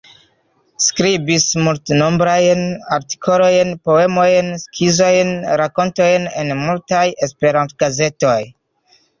Skribis multnombrajn artikolojn, poemojn, skizojn, rakontojn en multaj Esperanto-gazetoj.